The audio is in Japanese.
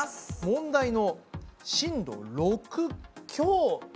問題の震度６強。